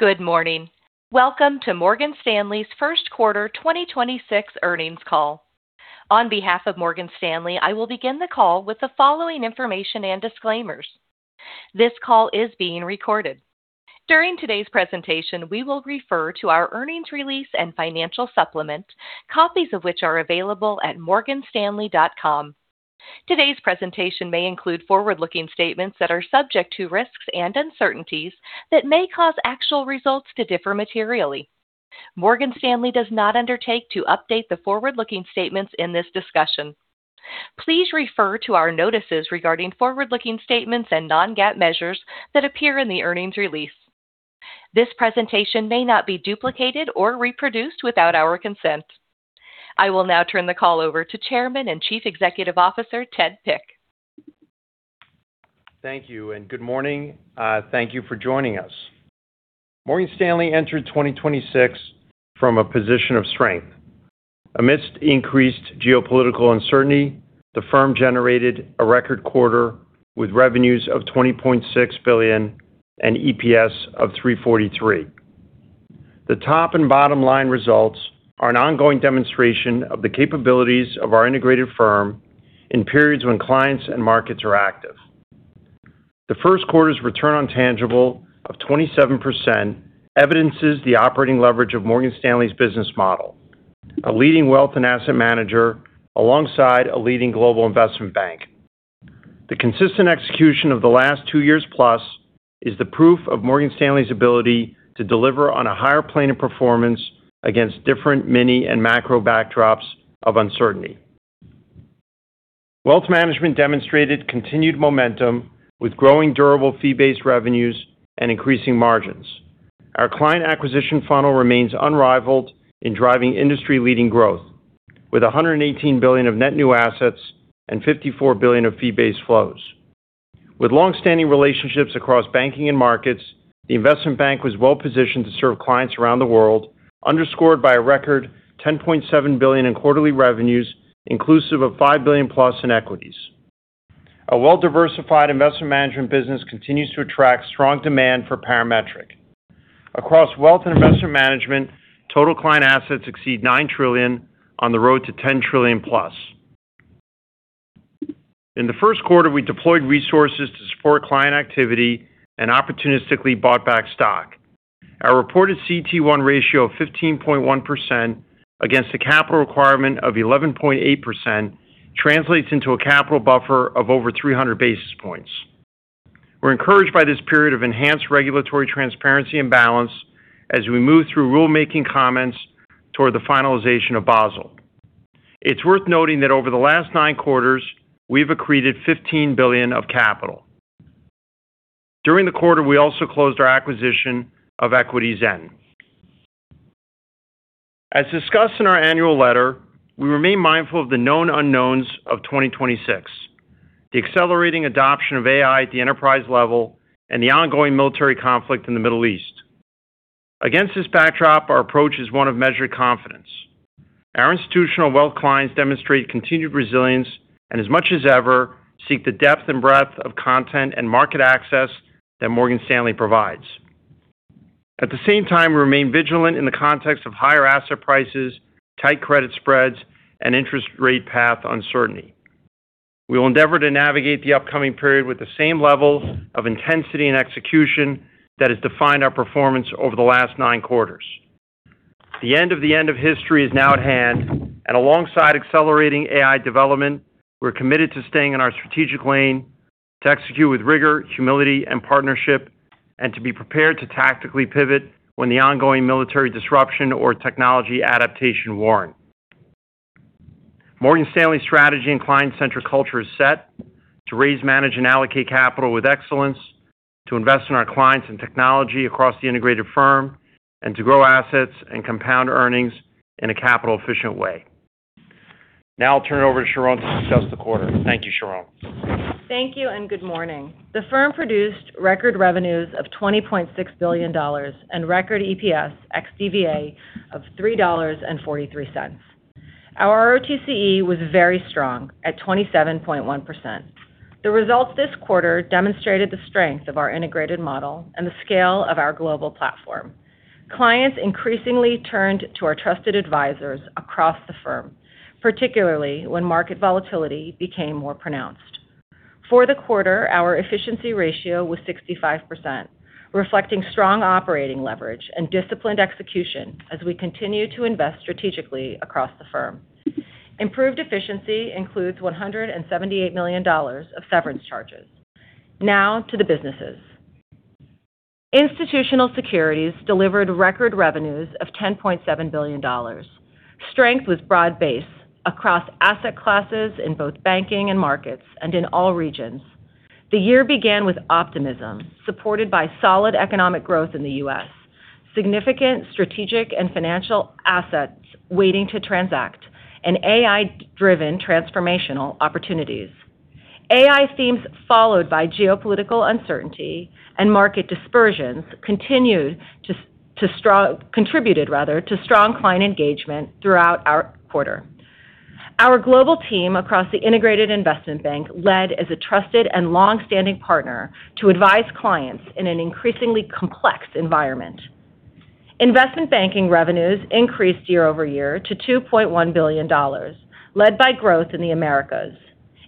Good morning. Welcome to Morgan Stanley's first quarter 2026 earnings call. On behalf of Morgan Stanley, I will begin the call with the following information and disclaimers. This call is being recorded. During today's presentation, we will refer to our earnings release and financial supplement, copies of which are available at morganstanley.com. Today's presentation may include forward-looking statements that are subject to risks and uncertainties that may cause actual results to differ materially. Morgan Stanley does not undertake to update the forward-looking statements in this discussion. Please refer to our notices regarding forward-looking statements and non-GAAP measures that appear in the earnings release. This presentation may not be duplicated or reproduced without our consent. I will now turn the call over to Chairman and Chief Executive Officer, Ted Pick. Thank you, and good morning. Thank you for joining us. Morgan Stanley entered 2026 from a position of strength. Amidst increased geopolitical uncertainty, the firm generated a record quarter with revenues of $20.6 billion and EPS of $3.43. The top and bottom line results are an ongoing demonstration of the capabilities of our integrated firm in periods when clients and markets are active. The first quarter's return on tangible of 27% evidences the operating leverage of Morgan Stanley's business model, a leading wealth and asset manager, alongside a leading global investment bank. The consistent execution of the last two years plus is the proof of Morgan Stanley's ability to deliver on a higher plane of performance against different micro and macro backdrops of uncertainty. Wealth Management demonstrated continued momentum with growing durable fee-based revenues and increasing margins. Our client acquisition funnel remains unrivaled in driving industry-leading growth, with $118 billion of net new assets and $54 billion of fee-based flows. With long-standing relationships across banking and markets, the Investment Bank was well-positioned to serve clients around the world, underscored by a record $10.7 billion in quarterly revenues, inclusive of $5 billion+ in equities. Our well-diversified Investment Management business continues to attract strong demand for Parametric. Across Wealth and Investment Management, total client assets exceed $9 trillion on the road to $10 trillion plus. In the first quarter, we deployed resources to support client activity and opportunistically bought back stock. Our reported CET1 ratio of 15.1% against a capital requirement of 11.8% translates into a capital buffer of over 300 basis points. We're encouraged by this period of enhanced regulatory transparency and balance as we move through rulemaking comments toward the finalization of Basel. It's worth noting that over the last nine quarters, we've accreted $15 billion of capital. During the quarter, we also closed our acquisition of EquityZen. As discussed in our annual letter, we remain mindful of the known unknowns of 2026, the accelerating adoption of AI at the enterprise level, and the ongoing military conflict in the Middle East. Against this backdrop, our approach is one of measured confidence. Our institutional wealth clients demonstrate continued resilience, and as much as ever, seek the depth and breadth of content and market access that Morgan Stanley provides. At the same time, we remain vigilant in the context of higher asset prices, tight credit spreads, and interest rate path uncertainty. We will endeavor to navigate the upcoming period with the same levels of intensity and execution that has defined our performance over the last nine quarters. The end of the end of history is now at hand. Alongside accelerating AI development, we're committed to staying in our strategic lane to execute with rigor, humility, and partnership, and to be prepared to tactically pivot when the ongoing military disruption or technology adaptation warrant. Morgan Stanley strategy and client-centric culture is set to raise, manage, and allocate capital with excellence, to invest in our clients and technology across the integrated firm, and to grow assets and compound earnings in a capital-efficient way. Now I'll turn it over to Sharon to discuss the quarter. Thank you, Sharon. Thank you, and good morning. The firm produced record revenues of $20.6 billion and record EPS ex-CVA of $3.43. Our ROTCE was very strong at 27.1%. The results this quarter demonstrated the strength of our integrated model and the scale of our global platform. Clients increasingly turned to our trusted advisors across the firm, particularly when market volatility became more pronounced. For the quarter, our efficiency ratio was 65%, reflecting strong operating leverage and disciplined execution as we continue to invest strategically across the firm. Improved efficiency includes $178 million of severance charges. Now to the businesses. Institutional Securities delivered record revenues of $10.7 billion. Strength was broad-based across asset classes in both banking and markets, and in all regions. The year began with optimism, supported by solid economic growth in the U.S., significant strategic and financial assets waiting to transact, and AI-driven transformational opportunities. AI themes, followed by geopolitical uncertainty and market dispersions, contributed to strong client engagement throughout our quarter. Our global team across the integrated Investment Bank led as a trusted and long-standing partner to advise clients in an increasingly complex environment. Investment Banking revenues increased year-over-year to $2.1 billion, led by growth in the Americas.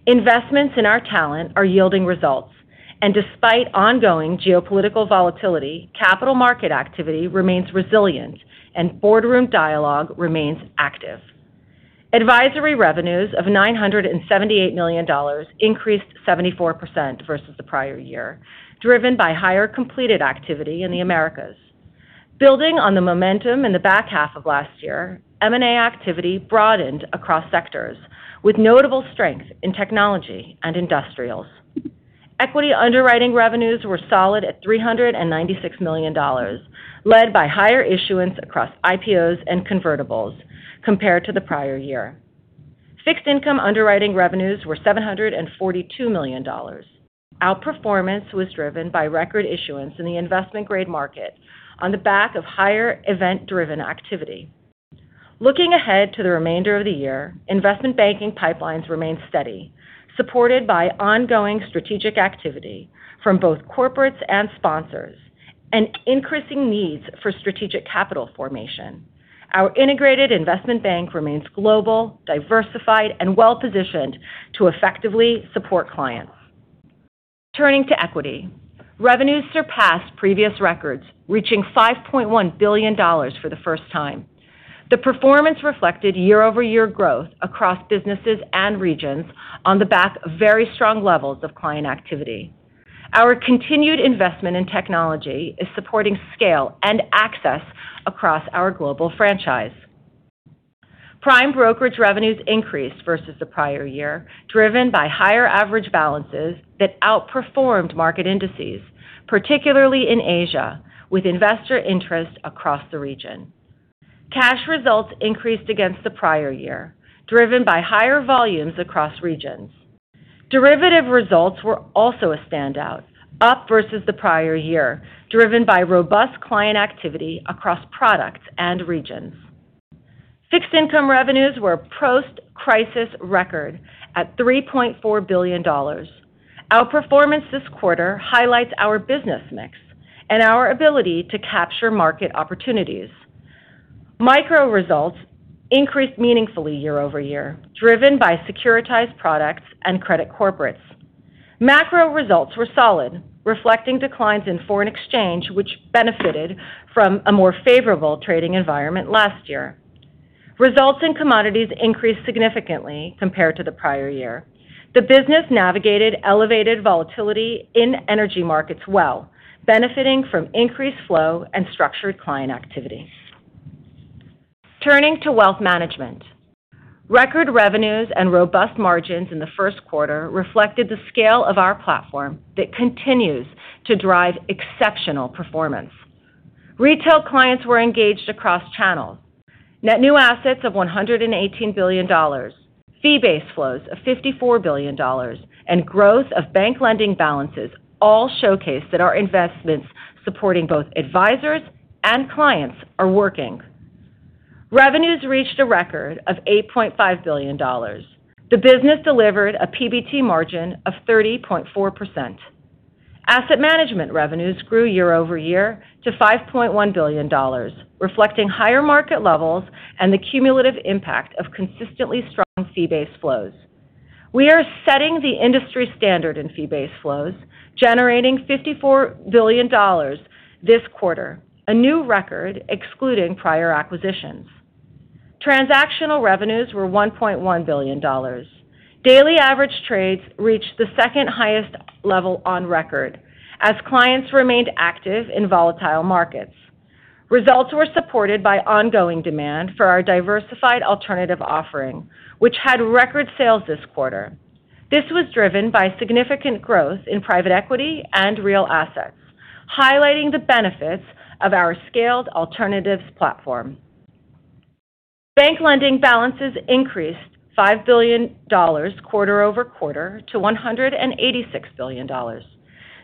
Investments in our talent are yielding results. Despite ongoing geopolitical volatility, Capital Markets activity remains resilient and boardroom dialogue remains active. Advisory revenues of $978 million increased 74% versus the prior year, driven by higher completed activity in the Americas. Building on the momentum in the back half of last year, M&A activity broadened across sectors, with notable strength in technology and industrials. Equity Underwriting revenues were solid at $396 million, led by higher issuance across IPOs and convertibles compared to the prior year. Fixed Income Underwriting revenues were $742 million. Outperformance was driven by record issuance in the investment-grade market on the back of higher event-driven activity. Looking ahead to the remainder of the year, Investment Banking pipelines remain steady, supported by ongoing strategic activity from both corporates and sponsors, and increasing needs for strategic capital formation. Our integrated investment bank remains global, diversified, and well-positioned to effectively support clients. Turning to Equity, revenues surpassed previous records, reaching $5.1 billion for the first time. The performance reflected year-over-year growth across businesses and regions on the back of very strong levels of client activity. Our continued investment in technology is supporting scale and access across our global franchise. Prime Brokerage revenues increased versus the prior year, driven by higher average balances that outperformed market indices, particularly in Asia, with investor interest across the region. Cash results increased against the prior year, driven by higher volumes across regions. Derivative results were also a standout, up versus the prior year, driven by robust client activity across products and regions. Fixed Income revenues were a post-crisis record at $3.4 billion. Outperformance this quarter highlights our business mix and our ability to capture market opportunities. Micro results increased meaningfully year-over-year, driven by securitized products and credit corporates. Macro results were solid, reflecting declines in foreign exchange, which benefited from a more favorable trading environment last year. Results in Commodities increased significantly compared to the prior year. The business navigated elevated volatility in energy markets well, benefiting from increased flow and structured client activity. Turning to Wealth Management, record revenues and robust margins in the first quarter reflected the scale of our platform that continues to drive exceptional performance. Retail clients were engaged across channels. Net new assets of $118 billion, fee-based flows of $54 billion, and growth of bank lending balances all showcase that our investments supporting both advisors and clients are working. Revenues reached a record of $8.5 billion. The business delivered a PBT margin of 30.4%. Asset management revenues grew year-over-year to $5.1 billion, reflecting higher market levels and the cumulative impact of consistently strong fee-based flows. We are setting the industry standard in fee-based flows, generating $54 billion this quarter, a new record excluding prior acquisitions. Transactional revenues were $1.1 billion. Daily average trades reached the second highest level on record as clients remained active in volatile markets. Results were supported by ongoing demand for our diversified alternative offering, which had record sales this quarter. This was driven by significant growth in private equity and real assets, highlighting the benefits of our scaled alternatives platform. Bank lending balances increased $5 billion quarter-over-quarter to $186 billion,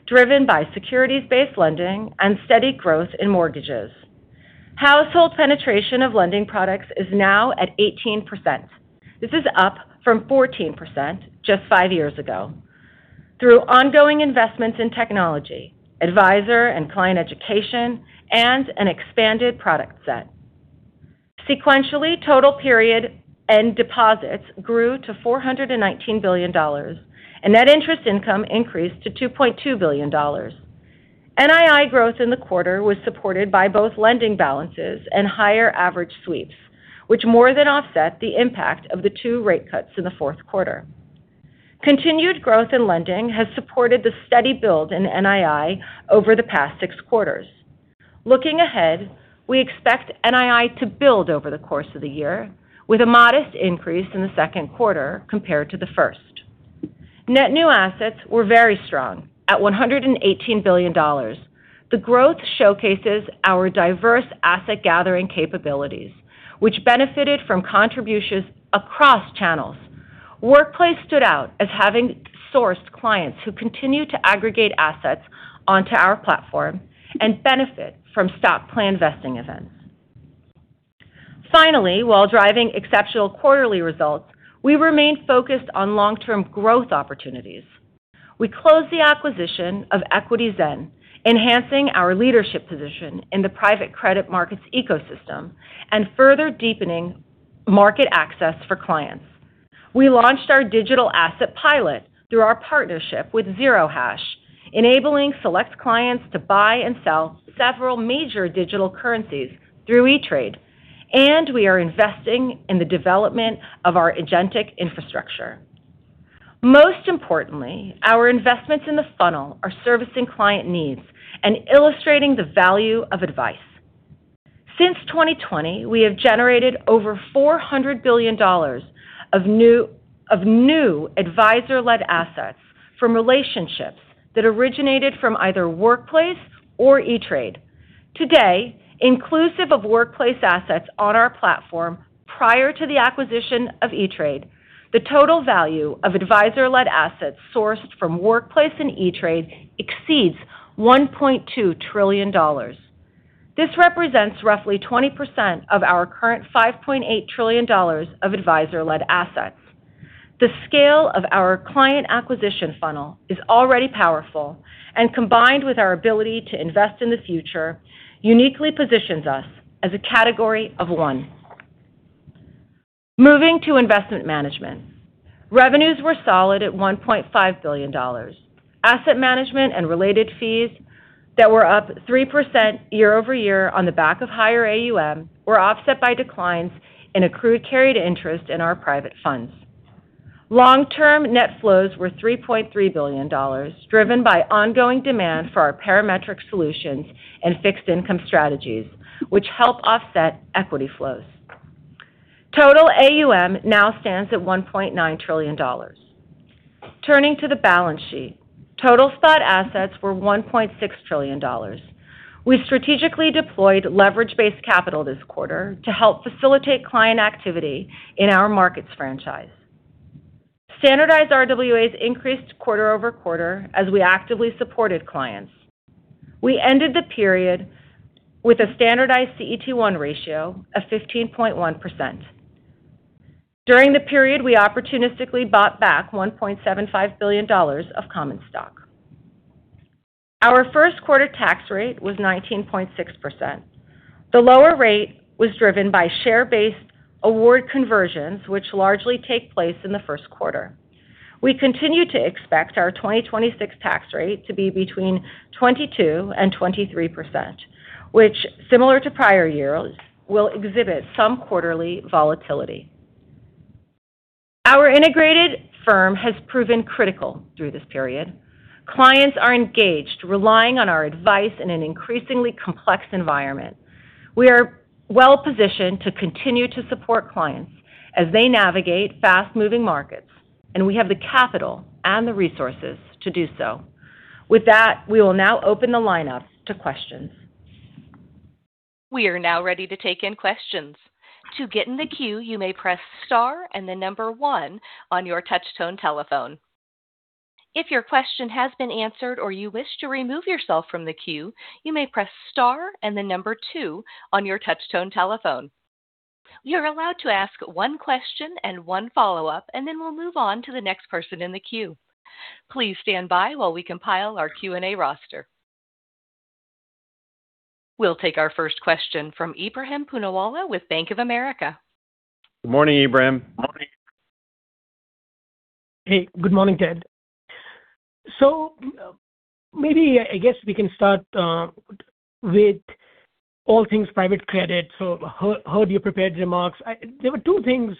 driven by securities-based lending and steady growth in mortgages. Household penetration of lending products is now at 18%. This is up from 14% just five years ago through ongoing investments in technology, advisor and client education, and an expanded product set. Sequentially, total period-end deposits grew to $419 billion, and net interest income increased to $2.2 billion. NII growth in the quarter was supported by both lending balances and higher average sweeps, which more than offset the impact of the two rate cuts in the fourth quarter. Continued growth in lending has supported the steady build in NII over the past six quarters. Looking ahead, we expect NII to build over the course of the year with a modest increase in the second quarter compared to the first. Net new assets were very strong at $118 billion. The growth showcases our diverse asset gathering capabilities, which benefited from contributions across channels. Workplace stood out as having sourced clients who continue to aggregate assets onto our platform and benefit from stock plan vesting events. Finally, while driving exceptional quarterly results, we remain focused on long-term growth opportunities. We closed the acquisition of EquityZen, enhancing our leadership position in the private credit markets ecosystem and further deepening market access for clients. We launched our digital asset pilot through our partnership with Zerohash, enabling select clients to buy and sell several major digital currencies through E*TRADE. We are investing in the development of our agentic infrastructure. Most importantly, our investments in the funnel are servicing client needs and illustrating the value of advice. Since 2020, we have generated over $400 billion of new advisor-led assets from relationships that originated from either Workplace or E*TRADE. Today, inclusive of Workplace assets on our platform prior to the acquisition of E*TRADE, the total value of advisor-led assets sourced from Workplace and E*TRADE exceeds $1.2 trillion. This represents roughly 20% of our current $5.8 trillion of advisor-led assets. The scale of our client acquisition funnel is already powerful, and combined with our ability to invest in the future, uniquely positions us as a category of one. Moving to Investment Management, revenues were solid at $1.5 billion. Asset Management and related fees that were up 3% year-over-year on the back of higher AUM were offset by declines in accrued carried interest in our private funds. Long-term net flows were $3.3 billion, driven by ongoing demand for our Parametric solutions and Fixed Income strategies, which help offset equity flows. Total AUM now stands at $1.9 trillion. Turning to the Balance Sheet, total spot assets were $1.6 trillion. We strategically deployed leverage-based capital this quarter to help facilitate client activity in our markets franchise. Standardized RWAs increased quarter-over-quarter as we actively supported clients. We ended the period with a standardized CET1 ratio of 15.1%. During the period, we opportunistically bought back $1.75 billion of common stock. Our first quarter tax rate was 19.6%. The lower rate was driven by share-based award conversions, which largely take place in the first quarter. We continue to expect our 2026 tax rate to be between 22% and 23%, which, similar to prior years, will exhibit some quarterly volatility. Our integrated firm has proven critical through this period. Clients are engaged, relying on our advice in an increasingly complex environment. We are well-positioned to continue to support clients as they navigate fast-moving markets, and we have the capital and the resources to do so. With that, we will now open the lineup to questions. We are now ready to take in questions. To get in the queue, you may press star and the number one on your touch-tone telephone. If your question has been answered or you wish to remove yourself from the queue, you may press star and the number two on your touch-tone telephone. You're allowed to ask one question and one follow-up, and then we'll move on to the next person in the queue. Please stand by while we compile our Q&A roster. We'll take our first question from Ebrahim Poonawala with Bank of America. Good morning, Ebrahim. Morning. Hey, good morning, Ted. Maybe, I guess, we can start with all things private credit. I heard your prepared remarks. There were two things,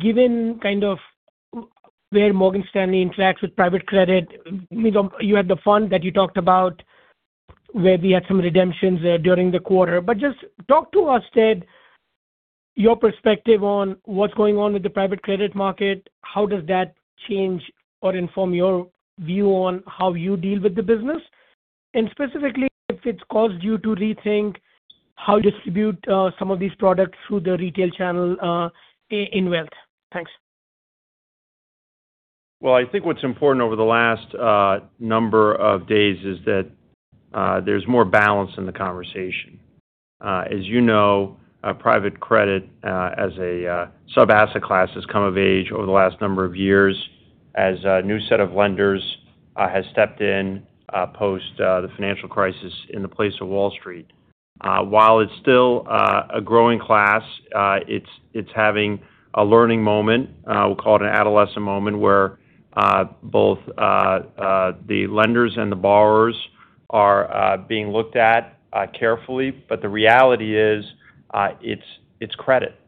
given kind of where Morgan Stanley interacts with private credit. You had the fund that you talked about where we had some redemptions there during the quarter. Just talk to us, Ted, your perspective on what's going on with the private credit market. How does that change or inform your view on how you deal with the business, specifically if it's caused you to rethink how you distribute some of these products through the retail channel in Wealth? Thanks. Well, I think what's important over the last number of days is that there's more balance in the conversation. As you know, private credit as a sub-asset class has come of age over the last number of years as a new set of lenders has stepped in post the financial crisis in the place of Wall Street. While it's still a growing class, it's having a learning moment. We'll call it an adolescent moment where both the lenders and the borrowers are being looked at carefully. The reality is, it's credit,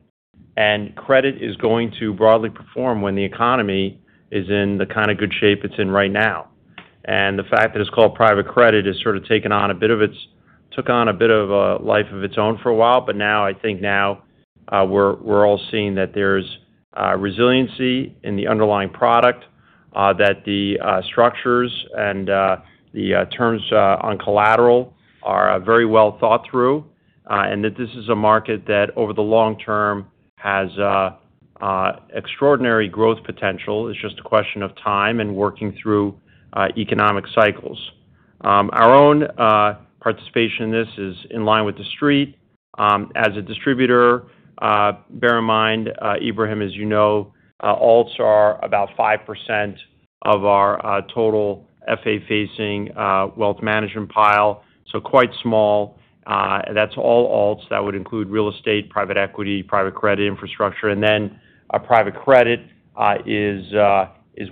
and credit is going to broadly perform when the economy is in the kind of good shape it's in right now. And the fact its called private credit is surely taken on a bit of its, took on a bit of a life of its own for a while, but now I think we're all seeing that there's resiliency in the underlying product, that the structures and the terms on collateral are very well thought through, and that this is a market that over the long term has extraordinary growth potential. It's just a question of time and working through economic cycles. Our own participation in this is in line with the Street. As a distributor, bear in mind, Ebrahim, as you know, alts are about 5% of our total FA-facing wealth management pile. Quite small. That's all alts. That would include real estate, private equity, private credit, infrastructure, and then private credit is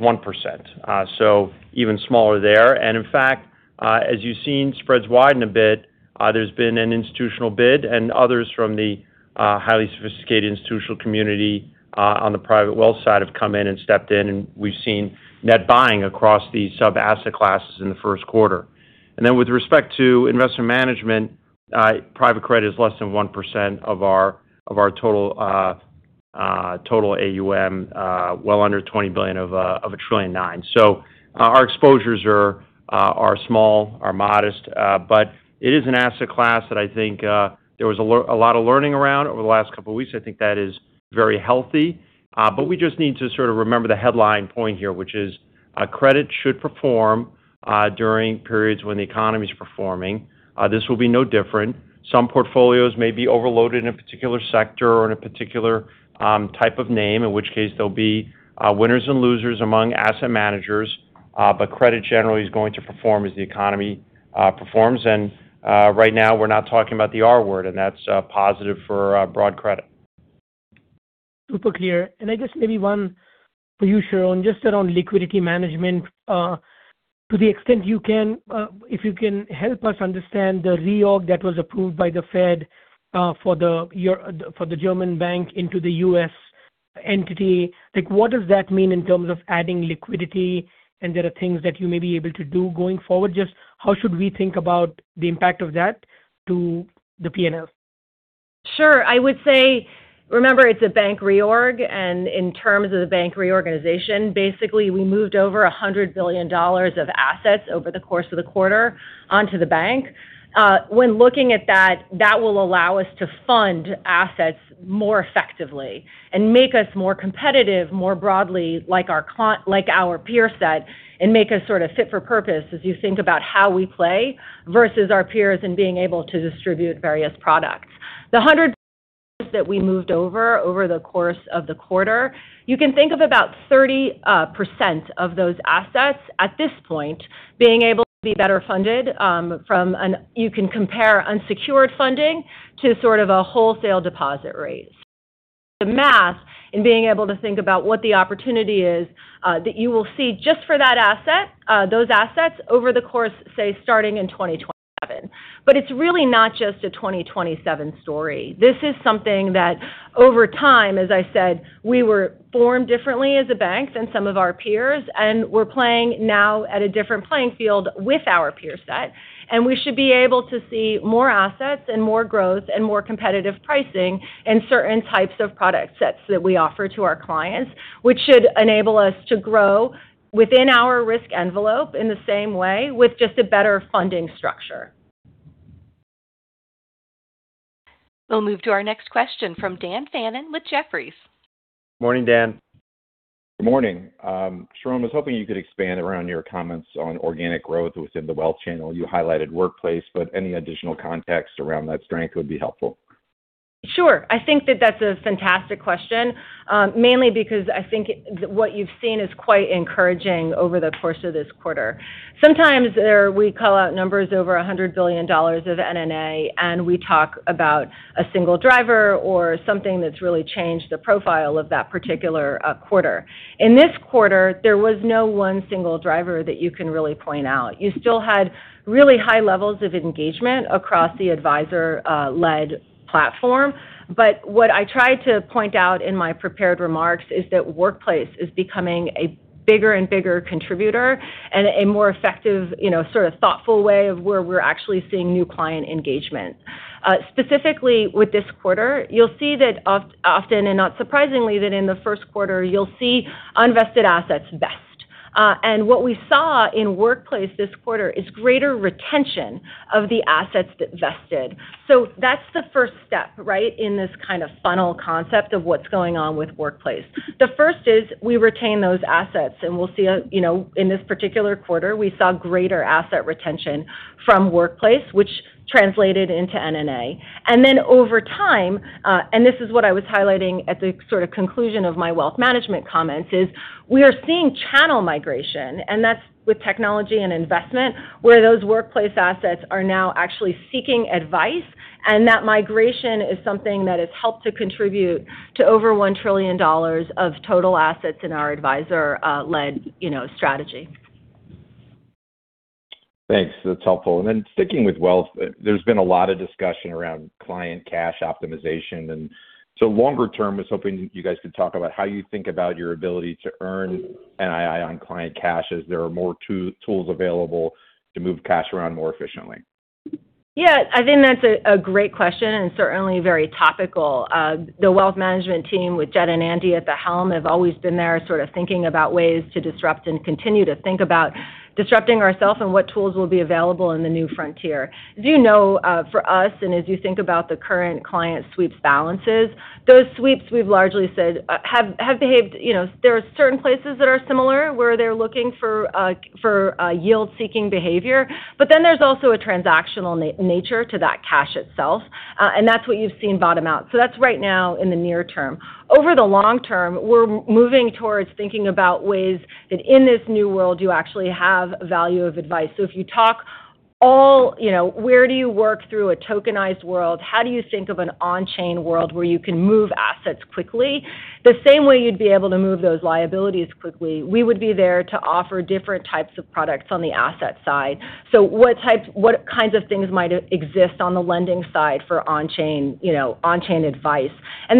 1%. Even smaller there. In fact, as you've seen spreads widen a bit, there's been an institutional bid, and others from the highly sophisticated institutional community on the private wealth side have come in and stepped in, and we've seen net buying across these sub-asset classes in the first quarter. With respect to Investment Management, private credit is less than 1% of our total AUM, well under $20 billion of $1.9 trillion. Our exposures are small, are modest, but it is an asset class that I think there was a lot of learning around over the last couple of weeks. I think that is very healthy. We just need to sort of remember the headline point here, which is credit should perform during periods when the economy is performing. This will be no different. Some portfolios may be overloaded in a particular sector or in a particular type of name, in which case there'll be winners and losers among asset managers. Credit generally is going to perform as the economy performs. Right now, we're not talking about the R word, and that's positive for broad credit. Super clear. I guess maybe one for you, Sharon, just around liquidity management. To the extent you can, if you can help us understand the reorg that was approved by the Fed for the German bank into the U.S. entity. What does that mean in terms of adding liquidity and there are things that you may be able to do going forward? Just how should we think about the impact of that to the P&L? Sure. I would say, remember, it's a bank reorg, and in terms of the bank reorganization, basically, we moved over $100 billion of assets over the course of the quarter onto the bank. When looking at that will allow us to fund assets more effectively and make us more competitive, more broadly, like our peer set, and make us sort of fit for purpose as you think about how we play versus our peers and being able to distribute various products. That we moved over the course of the quarter, you can think of about 30% of those assets at this point being able to be better funded. You can compare unsecured funding to sort of a wholesale deposit rate. The math in being able to think about what the opportunity is, that you will see just for those assets over the course, say, starting in 2027. It's really not just a 2027 story. This is something that over time, as I said, we were formed differently as a bank than some of our peers, and we're playing now at a different playing field with our peer set, and we should be able to see more assets and more growth and more competitive pricing in certain types of product sets that we offer to our clients, which should enable us to grow within our risk envelope in the same way with just a better funding structure. We'll move to our next question from Dan Fannon with Jefferies. Morning, Dan. Good morning. Sharon, I was hoping you could expand around your comments on organic growth within the wealth channel. You highlighted Workplace, but any additional context around that strength would be helpful. Sure. I think that that's a fantastic question, mainly because I think what you've seen is quite encouraging over the course of this quarter. Sometimes we call out numbers over $100 billion of NNA, and we talk about a single driver or something that's really changed the profile of that particular quarter. In this quarter, there was no one single driver that you can really point out. You still had really high levels of engagement across the advisor-led platform. What I tried to point out in my prepared remarks is that Workplace is becoming a bigger and bigger contributor and a more effective sort of thoughtful way of where we're actually seeing new client engagement. Specifically, with this quarter, you'll see that often and not surprisingly, that in the first quarter you'll see unvested assets vest. What we saw in Workplace this quarter is greater retention of the assets that vested. That's the first step, right, in this kind of funnel concept of what's going on with Workplace. The first is we retain those assets, and we'll see in this particular quarter, we saw greater asset retention from Workplace, which translated into NNA. Over time, and this is what I was highlighting at the sort of conclusion of my Wealth Management comments, is we are seeing channel migration, and that's with technology and investment, where those Workplace assets are now actually seeking advice, and that migration is something that has helped to contribute to over $1 trillion of total assets in our advisor-led strategy. Thanks. That's helpful. Sticking with Wealth, there's been a lot of discussion around client cash optimization. Longer term, I was hoping you guys could talk about how you think about your ability to earn NII on client cash as there are more tools available to move cash around more efficiently. Yeah, I think that's a great question and certainly very topical. The Wealth Management team with Jed and Andy at the helm have always been there sort of thinking about ways to disrupt and continue to think about disrupting ourselves and what tools will be available in the new frontier. As you know, for us, and as you think about the current client sweeps balances, those sweeps we've largely said have behaved. There are certain places that are similar where they're looking for yield-seeking behavior. There's also a transactional nature to that cash itself. That's what you've seen bottom out. That's right now in the near term. Over the long term, we're moving towards thinking about ways that in this new world you actually have value of advice. If you talk at all, where do you work through a tokenized world? How do you think of an on-chain world where you can move assets quickly? The same way you'd be able to move those liabilities quickly, we would be there to offer different types of products on the asset side. What kinds of things might exist on the lending side for on-chain advice?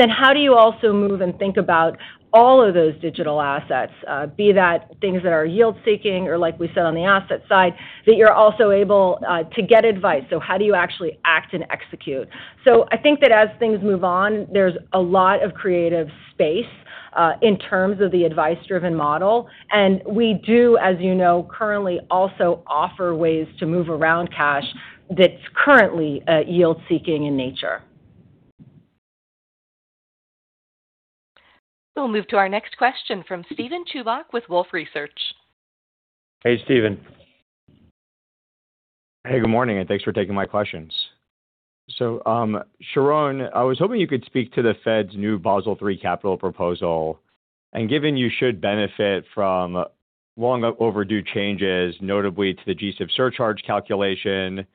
How do you also move and think about all of those digital assets, be that things that are yield-seeking or, like we said on the asset side, that you're also able to get advice? How do you actually act and execute? I think that as things move on, there's a lot of creative space in terms of the advice-driven model. We do, as you know, currently also offer ways to move around cash that's currently yield-seeking in nature. We'll move to our next question from Steven Chubak with Wolfe Research. Hey, Steven. Hey, good morning, and thanks for taking my questions. Sharon, I was hoping you could speak to the Fed's new Basel III capital proposal, and given you should benefit from long overdue changes, notably to the G-SIB surcharge calculation,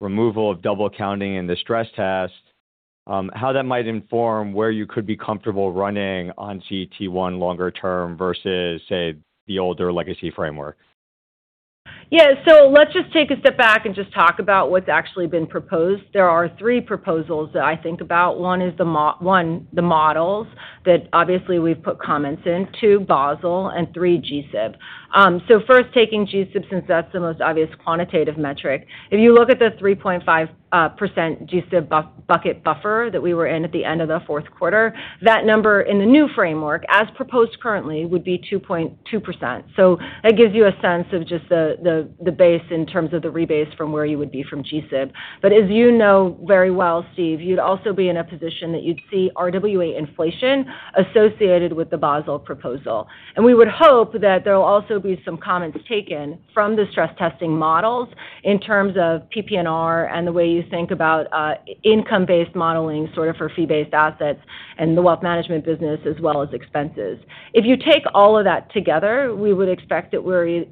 removal of double counting in the stress test, how that might inform where you could be comfortable running on CET1 longer term versus, say, the older legacy framework. Yeah. Let's just take a step back and just talk about what's actually been proposed. There are three proposals that I think about. One, the models that obviously we've put comments in. Two, Basel, and three, G-SIB. First taking G-SIB, since that's the most obvious quantitative metric. If you look at the 3.5% G-SIB bucket buffer that we were in at the end of the fourth quarter, that number in the new framework, as proposed currently, would be 2.2%. That gives you a sense of just the base in terms of the rebase from where you would be from G-SIB. As you know very well, Steve, you'd also be in a position that you'd see RWA inflation associated with the Basel proposal. We would hope that there will also be some comments taken from the stress testing models in terms of PPNR and the way you think about income-based modeling sort of for fee-based assets and the Wealth Management business as well as expenses. If you take all of that together, we would expect that we're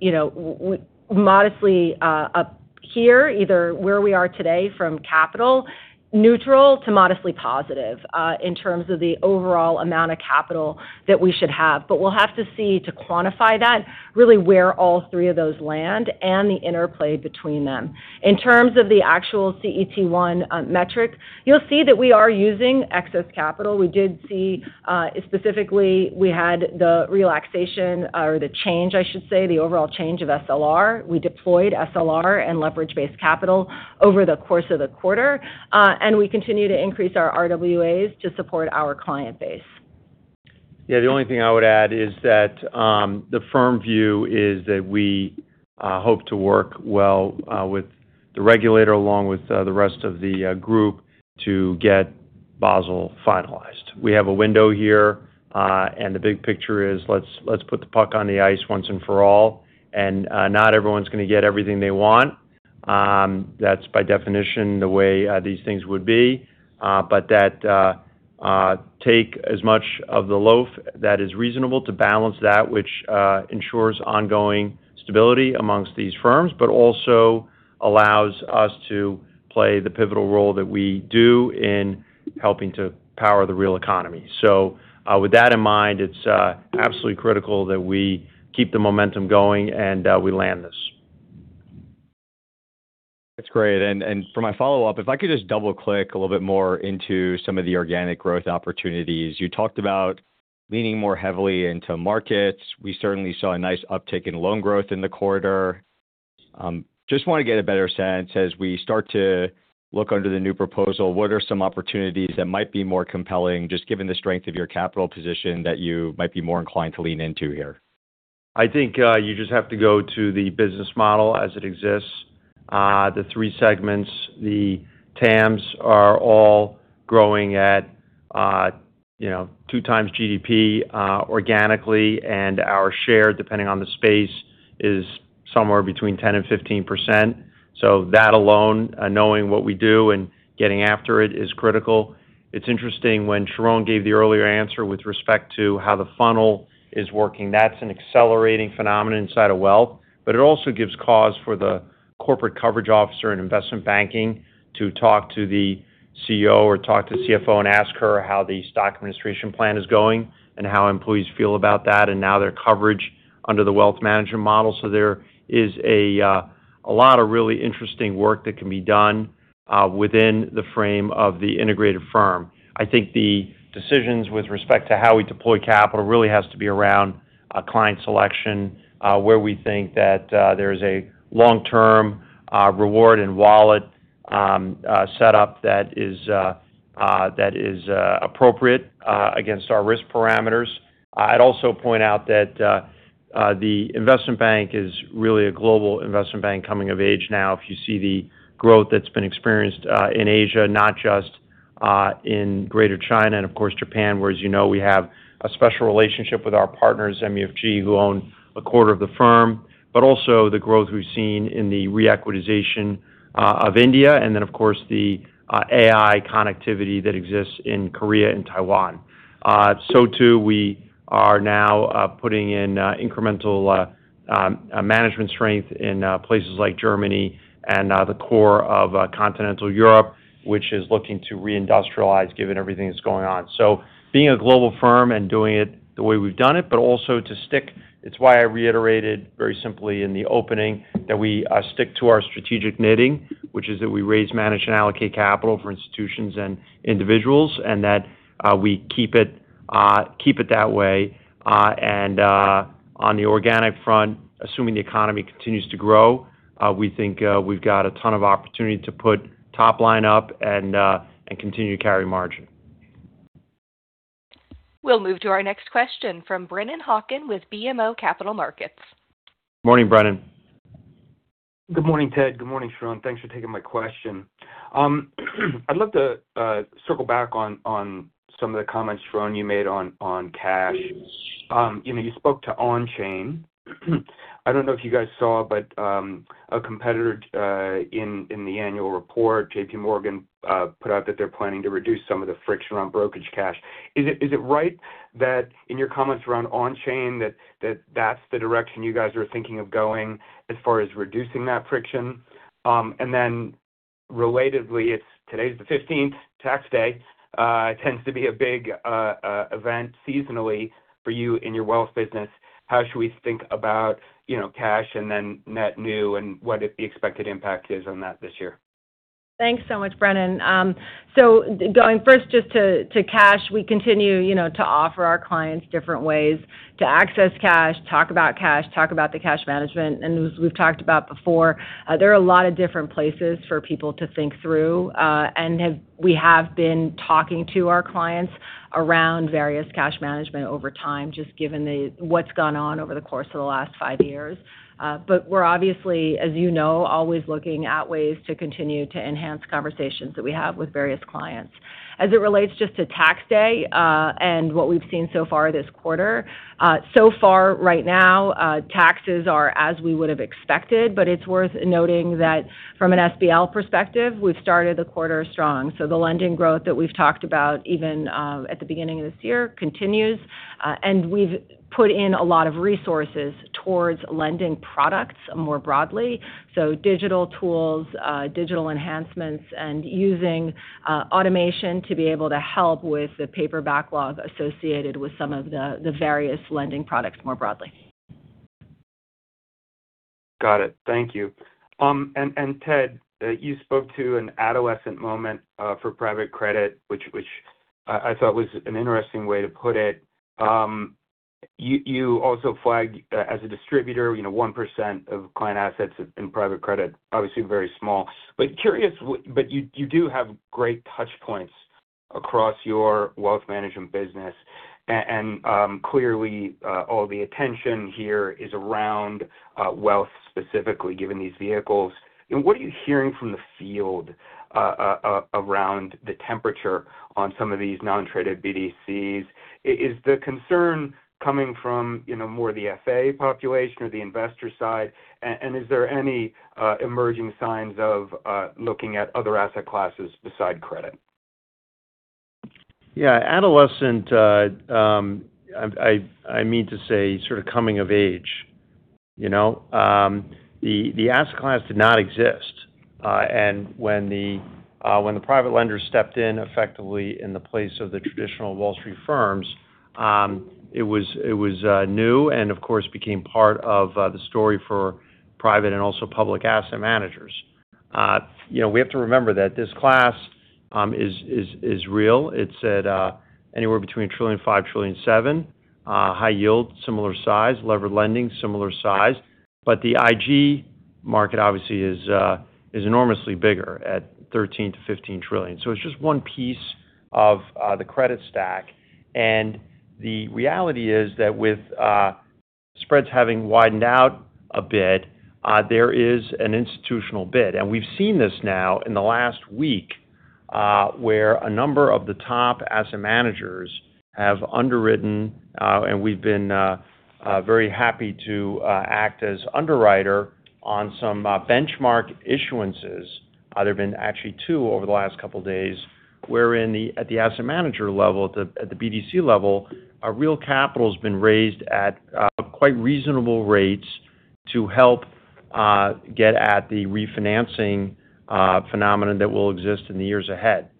modestly up here, either where we are today from capital neutral to modestly positive in terms of the overall amount of capital that we should have. We'll have to see to quantify that, really where all three of those land and the interplay between them. In terms of the actual CET1 metric, you'll see that we are using excess capital. We did see, specifically, we had the relaxation or the change, I should say, the overall change of SLR. We deployed SLR and leverage-based capital over the course of the quarter. We continue to increase our RWAs to support our client base. Yeah, the only thing I would add is that the firm view is that we hope to work well with the regulator, along with the rest of the group to get Basel finalized. We have a window here. The big picture is let's put the puck on the ice once and for all, and not everyone's going to get everything they want. That's by definition the way these things would be. Take as much of the loaf that is reasonable to balance that which ensures ongoing stability amongst these firms, but also allows us to play the pivotal role that we do in helping to power the real economy. With that in mind, it's absolutely critical that we keep the momentum going and we land this. That's great. For my follow-up, if I could just double-click a little bit more into some of the organic growth opportunities, you talked about leaning more heavily into markets. We certainly saw a nice uptick in loan growth in the quarter. I just want to get a better sense as we start to look under the new proposal, what are some opportunities that might be more compelling, just given the strength of your capital position that you might be more inclined to lean into here? I think you just have to go to the business model as it exists. The three segments, the TAMs are all growing at two times GDP organically, and our share, depending on the space, is somewhere between 10% and 15%. That alone, knowing what we do and getting after it is critical. It's interesting when Sharon gave the earlier answer with respect to how the funnel is working. That's an accelerating phenomenon inside of Wealth, but it also gives cause for the Corporate Coverage Officer in Investment Banking to talk to the CEO or talk to the CFO and ask her how the stock administration plan is going and how employees feel about that, and now their coverage under the Wealth Management model. There is a lot of really interesting work that can be done within the frame of the integrated firm. I think the decisions with respect to how we deploy capital really has to be around client selection, where we think that there is a long-term reward and wallet setup that is appropriate against our risk parameters. I'd also point out that the investment bank is really a global investment bank coming of age now, if you see the growth that's been experienced in Asia, not just in Greater China and, of course, Japan, where, as you know, we have a special relationship with our partners, MUFG, who own a quarter of the firm, also the growth we've seen in the re-equitization of India, and then, of course, the AI connectivity that exists in Korea and Taiwan. Too, we are now putting in incremental management strength in places like Germany and the core of Continental Europe, which is looking to reindustrialize, given everything that's going on. Being a global firm and doing it the way we've done it, but also to stick, it's why I reiterated very simply in the opening that we stick to our strategic knitting, which is that we raise, manage, and allocate capital for institutions and individuals, and that we keep it that way. On the organic front, assuming the economy continues to grow, we think we've got a ton of opportunity to put top line up and continue to carry margin. We'll move to our next question from Brennan Hawken with BMO Capital Markets. Morning, Brennan. Good morning, Ted. Good morning, Sharon. Thanks for taking my question. I'd love to circle back on some of the comments, Sharon, you made on cash. You spoke to on-chain. I don't know if you guys saw, but a competitor in the annual report, JPMorgan, put out that they're planning to reduce some of the friction around brokerage cash. Is it right that in your comments around on-chain, that that's the direction you guys are thinking of going as far as reducing that friction? Relatedly, today's the 15th, Tax Day. It tends to be a big event seasonally for you in your wealth business. How should we think about cash and then net new and what the expected impact is on that this year? Thanks so much, Brennan. Going first just to cash, we continue to offer our clients different ways to access cash, talk about cash, talk about the cash management. As we've talked about before, there are a lot of different places for people to think through. We have been talking to our clients around various cash management over time, just given what's gone on over the course of the last five years. We're obviously, as you know, always looking at ways to continue to enhance conversations that we have with various clients. As it relates just to Tax Day and what we've seen so far this quarter, so far right now, taxes are as we would have expected, but it's worth noting that from an SBL perspective, we've started the quarter strong. The lending growth that we've talked about even at the beginning of this year continues. We've put in a lot of resources towards lending products more broadly, digital tools, digital enhancements, and using automation to be able to help with the paper backlog associated with some of the various lending products more broadly. Got it. Thank you. Ted, you spoke to an adolescent moment for private credit, which I thought was an interesting way to put it. You also flagged as a distributor 1% of client assets in private credit, obviously very small. You do have great touch points across your Wealth Management business. Clearly, all the attention here is around wealth, specifically given these vehicles. What are you hearing from the field around the temperature on some of these non-traded BDCs? Is the concern coming from more the FA population or the investor side? Is there any emerging signs of looking at other asset classes beside credit? Yeah. Adolescent, I mean to say sort of coming of age. The asset class did not exist. When the private lenders stepped in effectively in the place of the traditional Wall Street firms, it was new and of course became part of the story for private and also public asset managers. We have to remember that this class is real. It's at anywhere between $1.5 trillion and $1.7 trillion. High yield, similar size. Leveraged lending, similar size. The IG market obviously is enormously bigger at $13 trillion-$15 trillion. It's just one piece of the credit stack. The reality is that with spreads having widened out a bit, there is an institutional bid. We've seen this now in the last week, where a number of the top asset managers have underwritten, and we've been very happy to act as underwriter on some benchmark issuances. There have been actually two over the last couple of days wherein at the asset manager level, at the BDC level, a real capital's been raised at quite reasonable rates to help get at the refinancing phenomenon that will exist in the years ahead.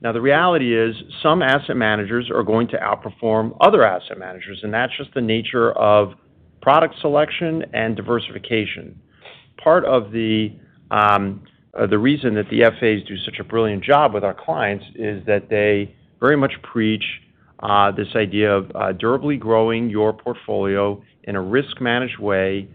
Now, the reality is some asset managers are going to outperform other asset managers, and that's just the nature of product selection and diversification. Part of the reason that the FAs do such a brilliant job with our clients is that they very much preach this idea of durably growing your portfolio in a risk-managed way,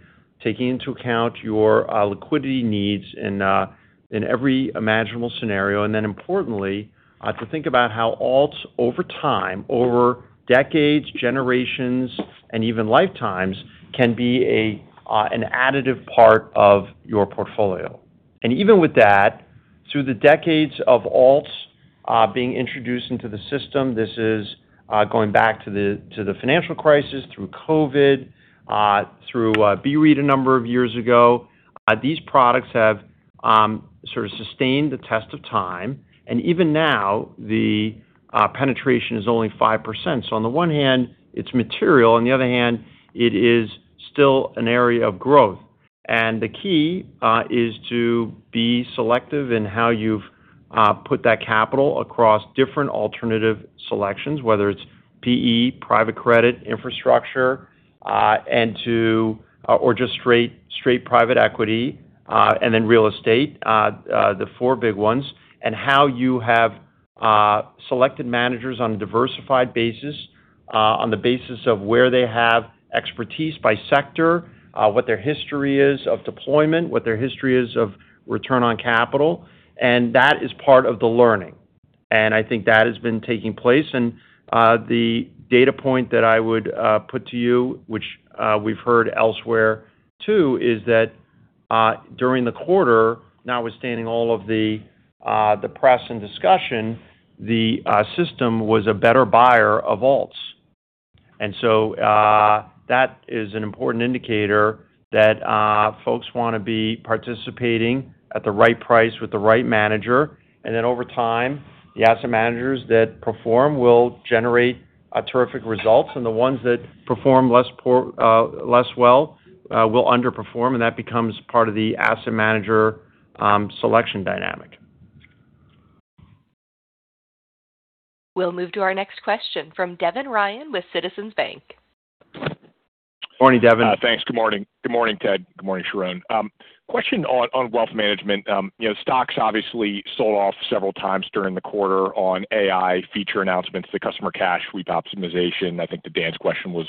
taking into account your liquidity needs in every imaginable scenario, importantly, to think about how alts over time, over decades, generations, and even lifetimes can be an additive part of your portfolio. Even with that, through the decades of alts being introduced into the system, this is going back to the financial crisis through COVID, through BREIT a number of years ago. These products have sort of sustained the test of time, and even now, the penetration is only 5%. On the one hand, it's material, on the other hand, it is still an area of growth. The key is to be selective in how you've put that capital across different alternative selections, whether it's PE, private credit, infrastructure or just straight private equity, and then real estate, the four big ones, and how you have selected managers on a diversified basis, on the basis of where they have expertise by sector, what their history is of deployment, what their history is of return on capital, and that is part of the learning. I think that has been taking place. The data point that I would put to you, which we've heard elsewhere too, is that during the quarter, notwithstanding all of the press and discussion, the system was a better buyer of alts. That is an important indicator that folks want to be participating at the right price with the right manager. Over time, the asset managers that perform will generate terrific results, and the ones that perform less well will underperform, and that becomes part of the asset manager selection dynamic. We'll move to our next question from Devin Ryan with Citizens Bank. Morning, Devin. Thanks. Good morning. Good morning, Ted. Good morning, Sharon. Question on Wealth Management. Stocks obviously sold off several times during the quarter on AI feature announcements, the customer cash sweep optimization. I think to Dan's question was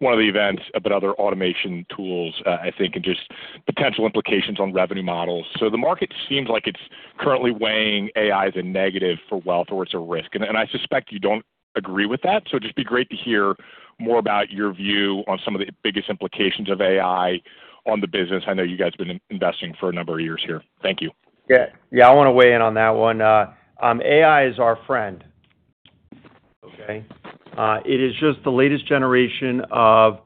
one of the events, but other automation tools I think, and just potential implications on revenue models. The market seems like it's currently weighing AI as a negative for Wealth Management or it's a risk. I suspect you don't agree with that. Just be great to hear more about your view on some of the biggest implications of AI on the business. I know you guys have been investing for a number of years here. Thank you. Yeah, I want to weigh in on that one. AI is our friend. Okay, it is just the latest generation of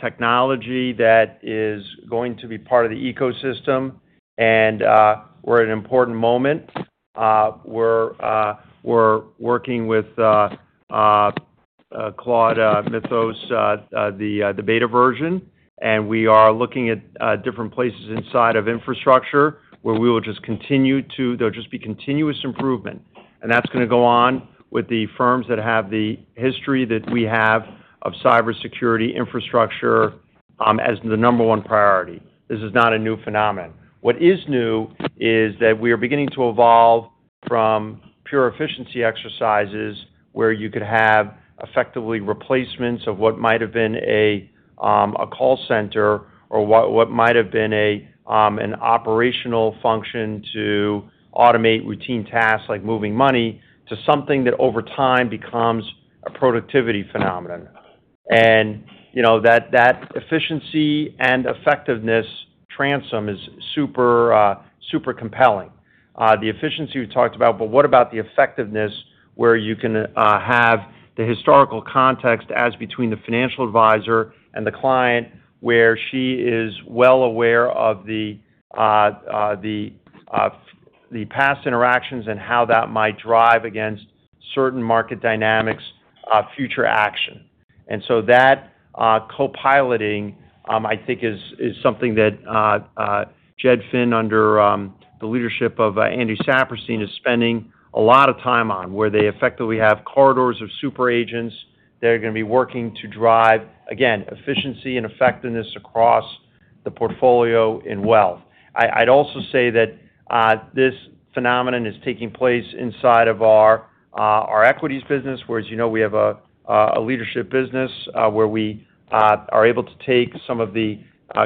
technology that is going to be part of the ecosystem, and we're at an important moment. We're working with Claude Mythos, the beta version, and we are looking at different places inside of infrastructure where we will just continue to, there'll just be continuous improvement, and that's going to go on with the firms that have the history that we have of cybersecurity infrastructure as the number one priority. This is not a new phenomenon. What is new is that we are beginning to evolve from pure efficiency exercises where you could have effectively replacements of what might have been a call center or what might have been an operational function to automate routine tasks like moving money to something that over time becomes a productivity phenomenon. That efficiency and effectiveness transformation is super compelling. The efficiency we talked about, but what about the effectiveness where you can have the historical context as between the financial advisor and the client, where she is well aware of the past interactions and how that might drive, against certain market dynamics, future action? That co-piloting, I think, is something that Jed Finn under the leadership of Andy Saperstein is spending a lot of time on, where they effectively have corridors of super agents that are going to be working to drive, again, efficiency and effectiveness across the portfolio in wealth. I'd also say that this phenomenon is taking place inside of our equities business, where, as you know, we have a leadership business, where we are able to take some of the